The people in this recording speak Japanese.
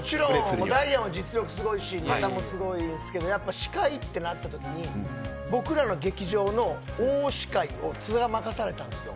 ダイアンは実力すごいしネタもすごいんですけどやっぱ司会ってなったときに僕らの劇場の大司会を津田、任されたんですよ